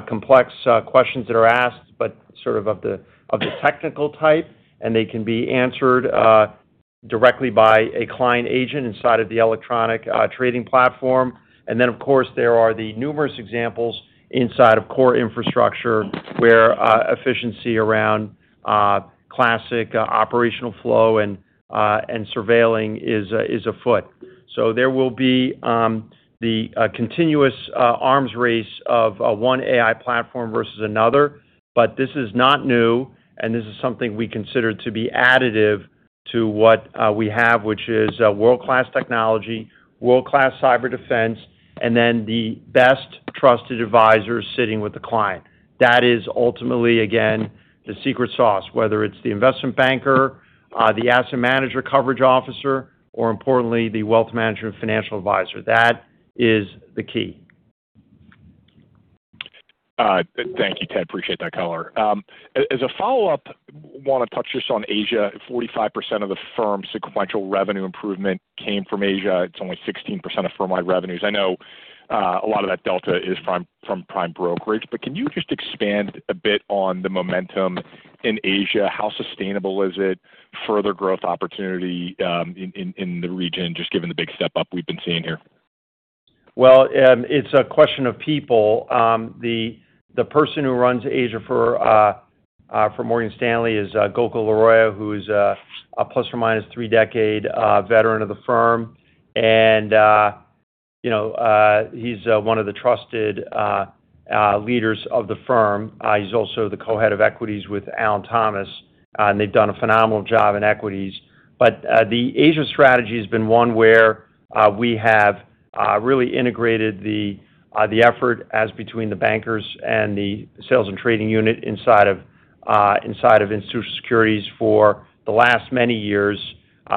complex questions that are asked, but sort of the technical type, and they can be answered directly by a client agent inside of the electronic trading platform. Of course, there are the numerous examples inside of core infrastructure where efficiency around classic operational flow and surveilling is afoot. There will be the continuous arms race of one AI platform versus another. This is not new, and this is something we consider to be additive to what we have, which is world-class technology, world-class cyber defense, and then the best trusted advisors sitting with the client. That is ultimately, again, the secret sauce, whether it's the investment banker, the asset manager coverage officer, or importantly, the wealth manager and financial advisor. That is the key. Thank you, Ted. I appreciate that color. As a follow-up, I want to touch just on Asia. 45% of the firm's sequential revenue improvement came from Asia. It's only 16% of firm-wide revenues. I know a lot of that delta is from prime brokerage, but can you just expand a bit on the momentum in Asia? How sustainable is it, further growth opportunity in the region, just given the big step-up we've been seeing here? Well, it's a question of people. The person who runs Asia for Morgan Stanley is Gokul Laroia, who is a ± three-decade veteran of the firm. He's one of the trusted leaders of the firm. He's also the Co-Head of Equities with Alan Thomas, and they've done a phenomenal job in equities. The Asia strategy has been one where we have really integrated the effort as between the bankers and the sales and trading unit inside of Institutional Securities for the last many years.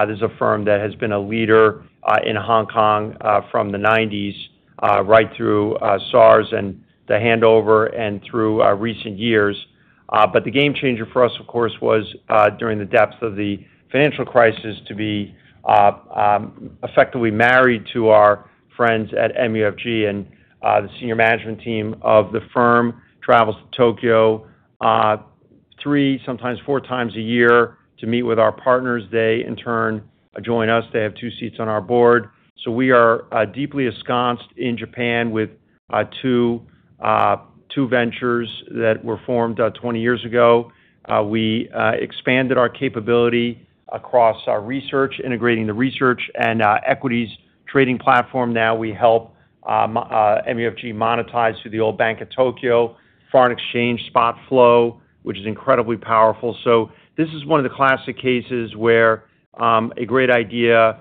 This is a firm that has been a leader in Hong Kong from the 1990s, right through SARS and the handover and through recent years. The game changer for us, of course, was during the depths of the financial crisis to be effectively married to our friends at MUFG, and the senior management team of the firm travels to Tokyo three, sometimes four times a year to meet with our partners. They in turn join us. They have two seats on our board. We are deeply ensconced in Japan with two ventures that were formed 20 years ago. We expanded our capability across our research, integrating the research and equities trading platform. Now we help MUFG monetize through the old Bank of Tokyo foreign exchange spot flow, which is incredibly powerful. This is one of the classic cases where a great idea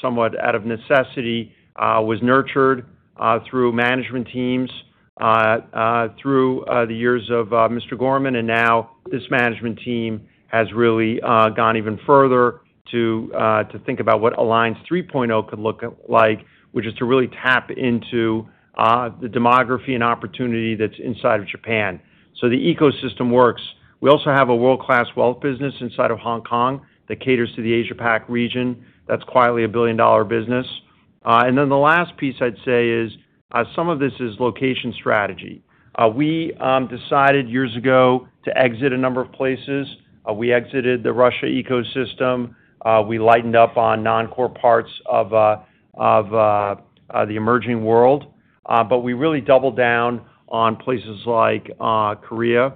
somewhat out of necessity was nurtured through management teams through the years of Mr. Gorman, and now this management team has really gone even further to think about what Alliance 3.0 could look like, which is to really tap into the demography and opportunity that's inside of Japan. The ecosystem works. We also have a world-class wealth business inside of Hong Kong that caters to the Asia-Pac region. That's quietly a billion-dollar business. The last piece I'd say is some of this is location strategy. We decided years ago to exit a number of places. We exited the Russia ecosystem. We lightened up on non-core parts of the emerging world. We really doubled down on places like Korea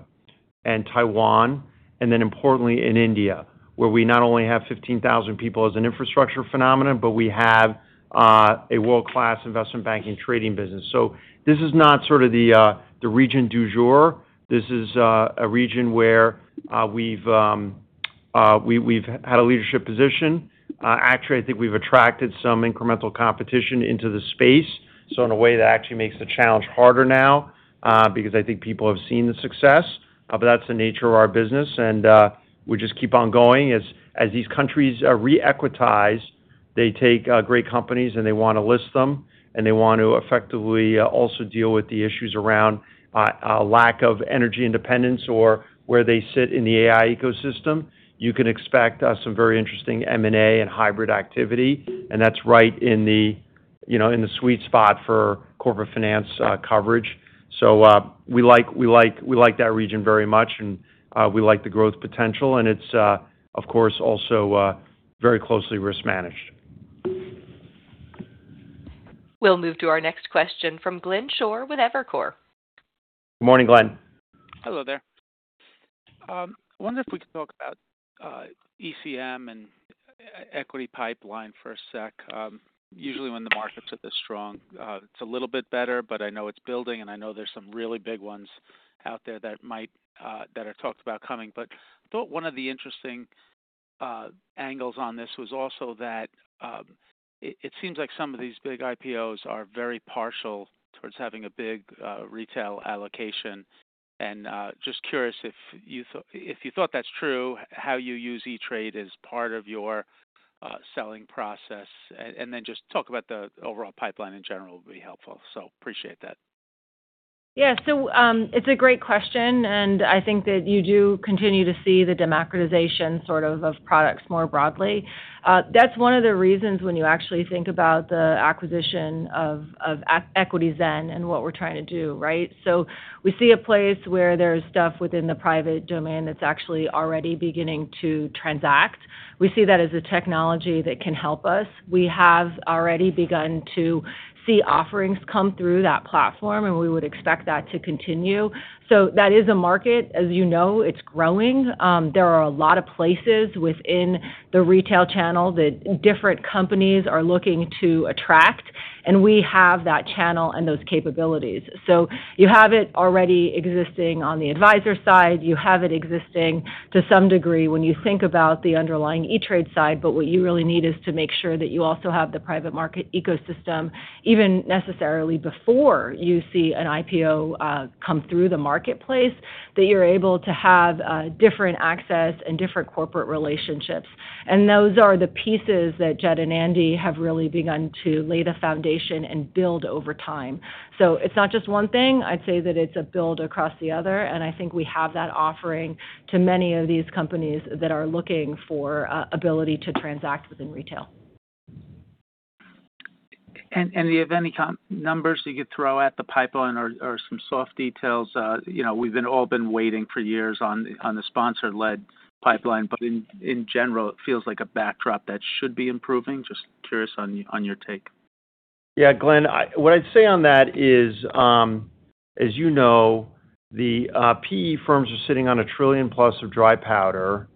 and Taiwan, and then importantly in India, where we not only have 15,000 people as an infrastructure phenomenon, but we have a world-class investment banking trading business. This is not sort of the region du jour. This is a region where we've had a leadership position. Actually, I think we've attracted some incremental competition into the space. In a way, that actually makes the challenge harder now because I think people have seen the success. That's the nature of our business, and we just keep on going. As these countries re-equitize, they take great companies and they want to list them, and they want to effectively also deal with the issues around lack of energy independence or where they sit in the AI ecosystem. You can expect some very interesting M&A and hybrid activity, and that's right in the sweet spot for corporate finance coverage. We like that region very much, and we like the growth potential, and it's, of course, also very closely risk managed. We'll move to our next question from Glenn Schorr with Evercore. Morning, Glenn. Hello there. I wonder if we could talk about ECM and equity pipeline for a sec. Usually when the market's this strong it's a little bit better, but I know it's building, and I know there's some really big ones out there that are talked about coming. I thought one of the interesting angles on this was also that it seems like some of these big IPOs are very partial towards having a big retail allocation. Just curious if you thought that's true, how you use E*TRADE as part of your selling process, and then just talk about the overall pipeline in general would be helpful. Appreciate that. Yeah. It's a great question, and I think that you do continue to see the democratization of products more broadly. That's one of the reasons when you actually think about the acquisition of EquityZen and what we're trying to do, right? We see a place where there's stuff within the private domain that's actually already beginning to transact. We see that as a technology that can help us. We have already begun to see offerings come through that platform, and we would expect that to continue. That is a market. As you know, it's growing. There are a lot of places within the retail channel that different companies are looking to attract, and we have that channel and those capabilities. You have it already existing on the advisor side. You have it existing to some degree when you think about the underlying E*TRADE side. What you really need is to make sure that you also have the private market ecosystem, even necessarily before you see an IPO come through the marketplace, that you're able to have different access and different corporate relationships. Those are the pieces that Jed and Andy have really begun to lay the foundation and build over time. It's not just one thing. I'd say that it's a build across the other, and I think we have that offering to many of these companies that are looking for ability to transact within retail. Do you have any numbers you could throw at the pipeline or some soft details? We've all been waiting for years on the sponsor-led pipeline, but in general, it feels like a backdrop that should be improving. Just curious on your take. Yeah. Glenn, what I'd say on that is, as you know, the PE firms are sitting on $1 trillion-plus of dry powder.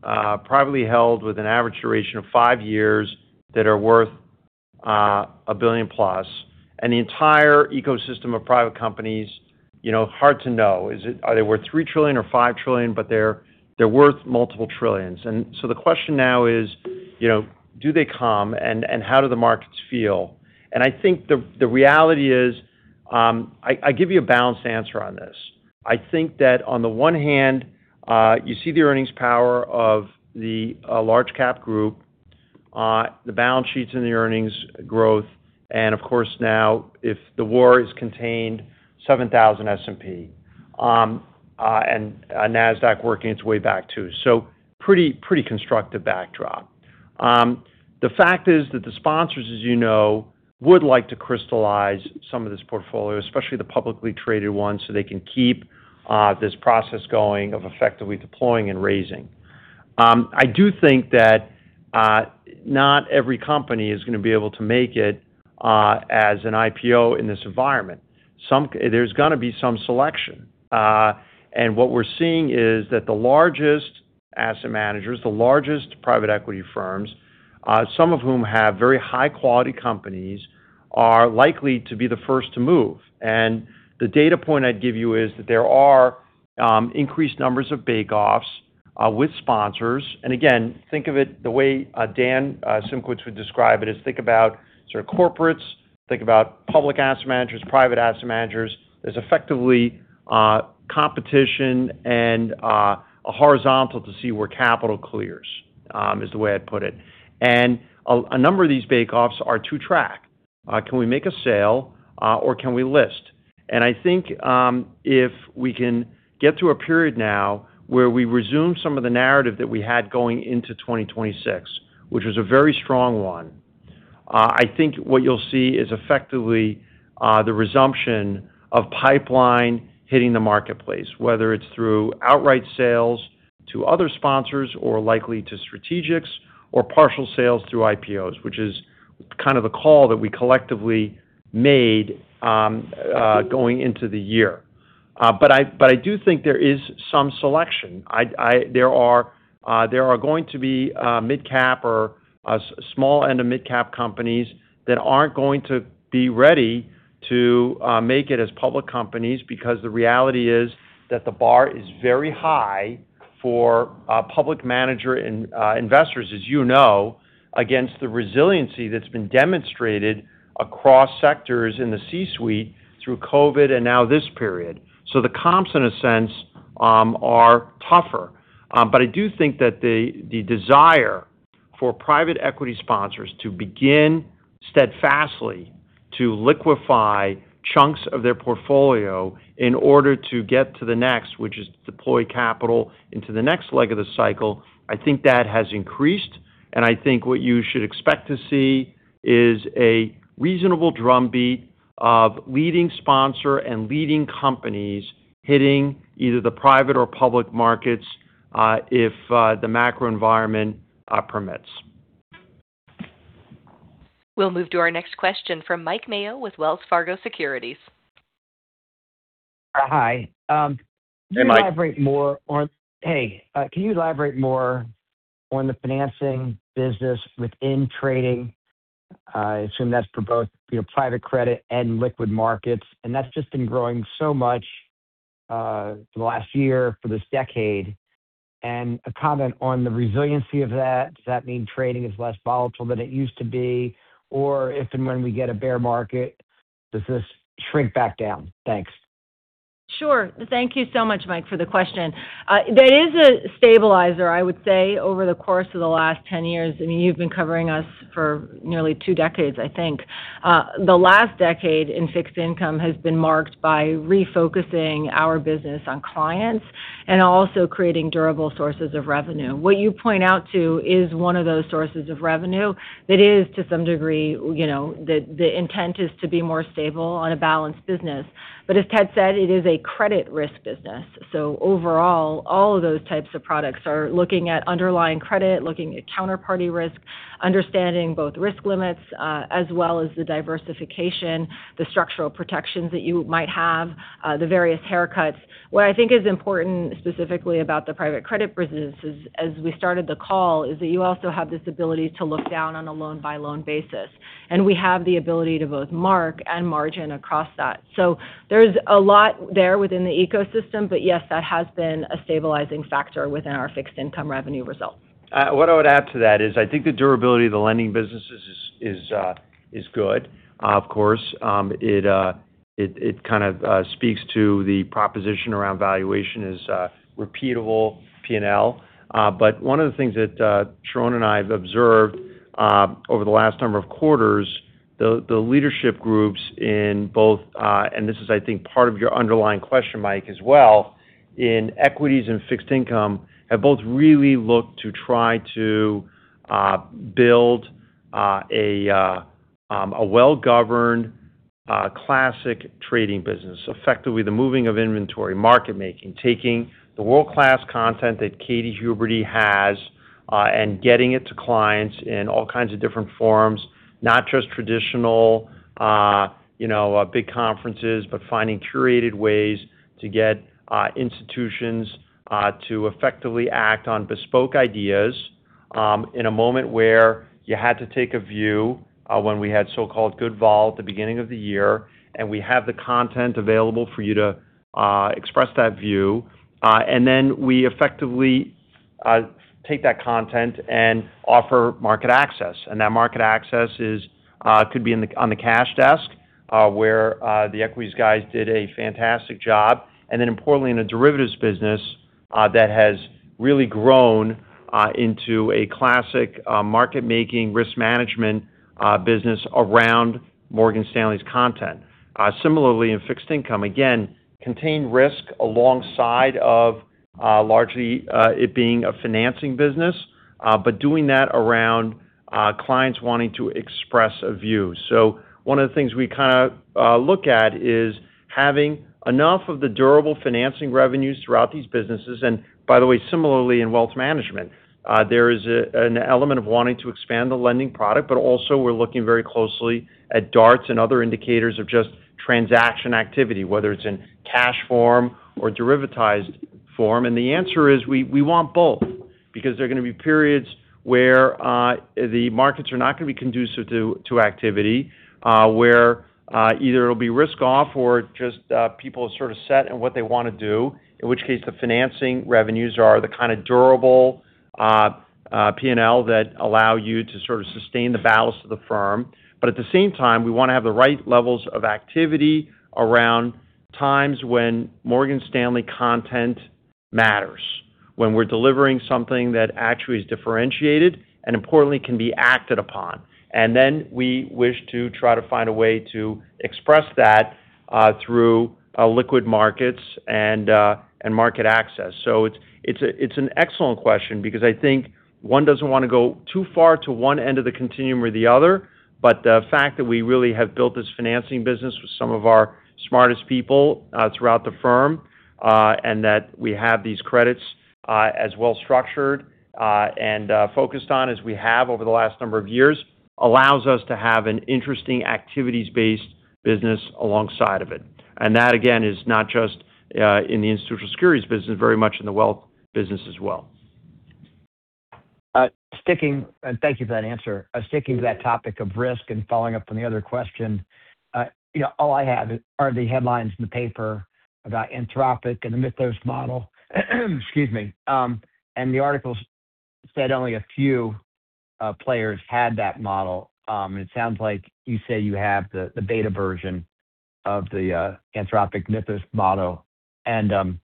There are 1,500 companies plus that are privately held with an average duration of five years that are worth $1 billion-plus. The entire ecosystem of private companies, hard to know. Are they worth $3 trillion or $5 trillion? They're worth multiple trillions. The question now is, do they come and how do the markets feel? I think the reality is, I give you a balanced answer on this. I think that on the one hand, you see the earnings power of the large-cap group, the balance sheets and the earnings growth, and of course, now if the war is contained, 7,000 S&P, and Nasdaq working its way back, too. Pretty constructive backdrop. The fact is that the sponsors, as you know, would like to crystallize some of this portfolio, especially the publicly traded ones, so they can keep this process going of effectively deploying and raising. I do think that not every company is going to be able to make it as an IPO in this environment. There's going to be some selection. What we're seeing is that the largest asset managers, the largest private equity firms, some of whom have very high-quality companies, are likely to be the first to move. The data point I'd give you is that there are increased numbers of bake-offs with sponsors. Again, think of it the way Dan Simkowitz would describe it, is think about sort of corporates, think about public asset managers, private asset managers. There's effectively competition and a horizontal to see where capital clears is the way I'd put it. A number of these bake-offs are two-track. Can we make a sale or can we list? I think if we can get to a period now where we resume some of the narrative that we had going into 2026, which was a very strong one, I think what you'll see is effectively the resumption of pipeline hitting the marketplace, whether it's through outright sales to other sponsors or likely to strategics or partial sales through IPOs, which is kind of the call that we collectively made going into the year. I do think there is some selection. There are going to be mid-cap or small end of mid-cap companies that aren't going to be ready to make it as public companies because the reality is that the bar is very high for public market investors, as you know, against the resiliency that's been demonstrated across sectors in the C-suite through COVID and now this period. The comps, in a sense, are tougher. I do think that the desire for private equity sponsors to begin steadfastly to liquefy chunks of their portfolio in order to get to the next, which is to deploy capital into the next leg of the cycle. I think that has increased, and I think what you should expect to see is a reasonable drumbeat of leading sponsor and leading companies hitting either the private or public markets, if the macro environment permits. We'll move to our next question from Mike Mayo with Wells Fargo Securities. Hi. Hey, Mike. Hey. Can you elaborate more on the financing business within trading? I assume that's for both your private credit and liquid markets, and that's just been growing so much for the last year, for this decade. A comment on the resiliency of that, does that mean trading is less volatile than it used to be, or if and when we get a bear market, does this shrink back down? Thanks. Sure. Thank you so much, Mike, for the question. There is a stabilizer, I would say, over the course of the last 10 years, and you've been covering us for nearly two decades, I think. The last decade in Fixed Income has been marked by refocusing our business on clients and also creating durable sources of revenue. What you point out too is one of those sources of revenue that is, to some degree, the intent is to be more stable on a balanced business. As Ted said, it is a credit risk business. Overall, all of those types of products are looking at underlying credit, looking at counterparty risk, understanding both risk limits, as well as the diversification, the structural protections that you might have, the various haircuts. What I think is important, specifically about the private credit businesses, as we started the call, is that you also have this ability to look down on a loan-by-loan basis, and we have the ability to both mark and margin across that. There's a lot there within the ecosystem. Yes, that has been a stabilizing factor within our fixed income revenue results. What I would add to that is, I think the durability of the lending businesses is good. Of course, it kind of speaks to the proposition around valuation as repeatable P&L. But one of the things that Sharon and I have observed, over the last number of quarters, the leadership groups in both, and this is, I think, part of your underlying question, Mike, as well, in equities and fixed income, have both really looked to try to build a well-governed, classic trading business, effectively the moving of inventory, market making. Taking the world-class content that Katy Huberty has, and getting it to clients in all kinds of different forms. Not just traditional, big conferences, but finding curated ways to get institutions to effectively act on bespoke ideas, in a moment where you had to take a view when we had so-called good vol at the beginning of the year, and we have the content available for you to express that view. We effectively take that content and offer market access. That market access could be on the cash desk, where the equities guys did a fantastic job. Importantly, in the derivatives business, that has really grown into a classic market-making, risk management business around Morgan Stanley's content. Similarly, in fixed income, again, contained risk alongside of largely it being a financing business, but doing that around clients wanting to express a view. One of the things we kind of look at is having enough of the durable financing revenues throughout these businesses, and, by the way, similarly in Wealth Management. There is an element of wanting to expand the lending product, but also we're looking very closely at DARTs and other indicators of just transaction activity, whether it's in cash form or derivatized form. The answer is, we want both because there are going to be periods where the markets are not going to be conducive to activity, where either it'll be risk-off or just people are sort of set in what they want to do. In which case, the financing revenues are the kind of durable P&L that allow you to sort of sustain the ballast of the firm. At the same time, we want to have the right levels of activity around times when Morgan Stanley content matters, when we're delivering something that actually is differentiated and importantly can be acted upon. We wish to try to find a way to express that through liquid markets and market access. It's an excellent question because I think one doesn't want to go too far to one end of the continuum or the other. The fact that we really have built this financing business with some of our smartest people throughout the firm, and that we have these credits as well-structured and focused on as we have over the last number of years, allows us to have an interesting activities-based business alongside of it. That, again, is not just in the Institutional Securities business, very much in the Wealth business as well. Thank you for that answer. Sticking to that topic of risk and following up on the other question, all I have are the headlines in the paper about Anthropic and the Mythos model. Excuse me. The articles said only a few players had that model. It sounds like you say you have the beta version of the Anthropic Mythos model. Again,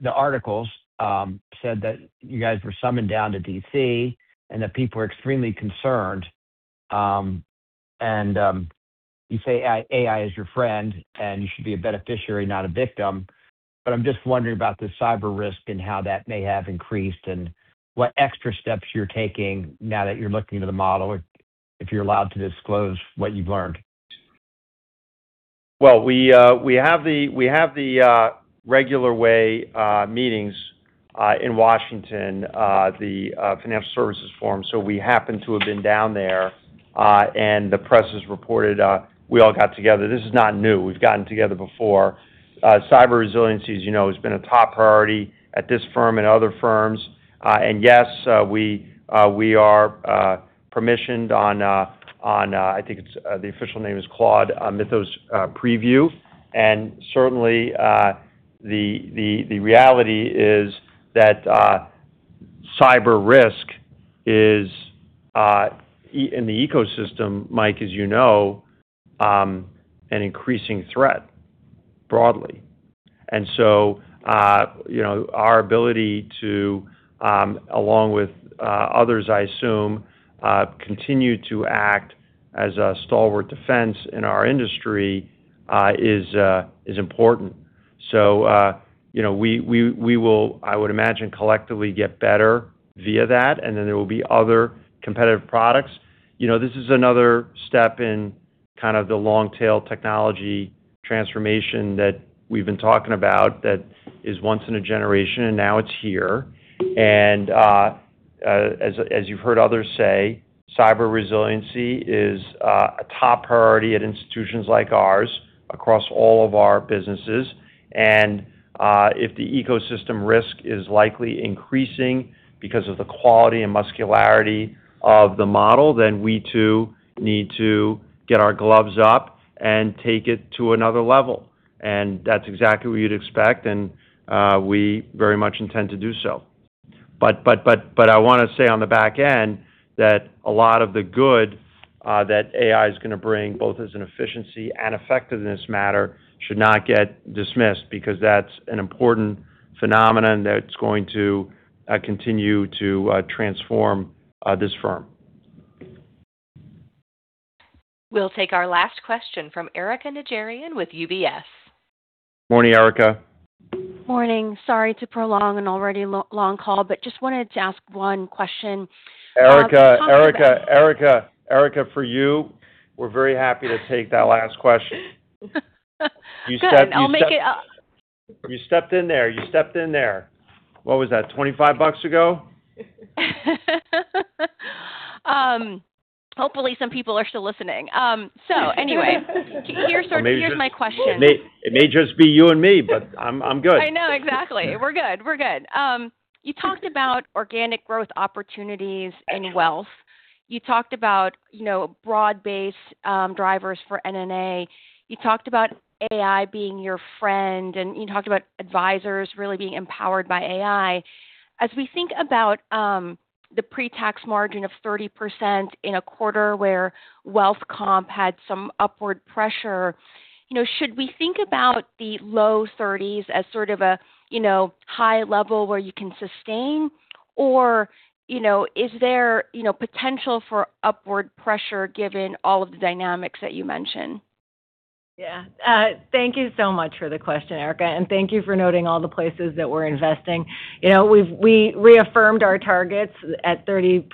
the articles said that you guys were summoned down to D.C. and that people were extremely concerned. You say AI is your friend and you should be a beneficiary, not a victim, but I'm just wondering about the cyber risk and how that may have increased and what extra steps you're taking now that you're looking to the model, if you're allowed to disclose what you've learned. Well, we have the regular way meetings in Washington, the Financial Services Forum. We happen to have been down there, and the press has reported, we all got together. This is not new. We've gotten together before. Cyber resiliency has been a top priority at this firm and other firms. Yes, we are permissioned on, I think the official name is Claude Mythos Preview. Certainly, the reality is that cyber risk is, in the ecosystem, Mike, as you know, an increasing threat broadly. Our ability to, along with others, I assume, continue to act as a stalwart defense in our industry is important. We will, I would imagine, collectively get better via that, and then there will be other competitive products. This is another step in kind of the long-tail technology transformation that we've been talking about that is once in a generation, and now it's here. As you've heard others say, cyber resiliency is a top priority at institutions like ours across all of our businesses. If the ecosystem risk is likely increasing because of the quality and muscularity of the model, then we too need to get our gloves up and take it to another level. That's exactly what you'd expect, and we very much intend to do so. I want to say on the back end that a lot of the good that AI is going to bring, both as an efficiency and effectiveness matter, should not get dismissed, because that's an important phenomenon that's going to continue to transform this firm. We'll take our last question from Erika Najarian with UBS. Morning, Erika. Morning. I am sorry to prolong an already long call, but just wanted to ask one question. Erika, for you, we're very happy to take that last question. Good. I'll make it up. You stepped in there. What was that, 25 bucks ago? Hopefully some people are still listening. Anyway, here's my question. It may just be you and me, but I'm good. I know, exactly. We're good. You talked about organic growth opportunities in Wealth. You talked about broad-based drivers for NNA. You talked about AI being your friend, and you talked about advisors really being empowered by AI. As we think about the pre-tax margin of 30% in a quarter where Wealth comp had some upward pressure, should we think about the low 30s as sort of a high level where you can sustain? Is there potential for upward pressure given all of the dynamics that you mentioned? Yeah. Thank you so much for the question, Erika, and thank you for noting all the places that we're investing. We reaffirmed our targets at 30%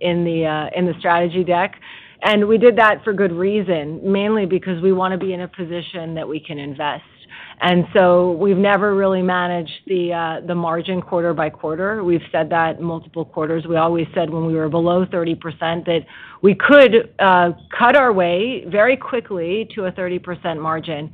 in the strategy deck, and we did that for good reason, mainly because we want to be in a position that we can invest. We've never really managed the margin quarter-by-quarter. We've said that multiple quarters. We always said when we were below 30% that we could cut our way very quickly to a 30% margin.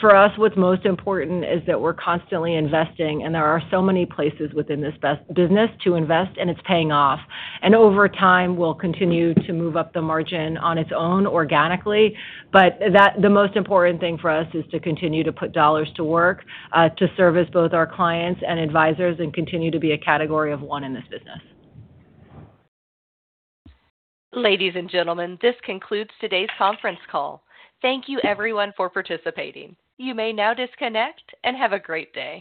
For us, what's most important is that we're constantly investing, and there are so many places within this business to invest, and it's paying off. Over time, we'll continue to move up the margin on its own organically. The most important thing for us is to continue to put dollars to work to service both our clients and advisors and continue to be a category of one in this business. Ladies and gentlemen, this concludes today's conference call. Thank you everyone for participating. You may now disconnect and have a great day.